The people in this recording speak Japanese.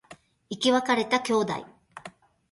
生き別れた兄弟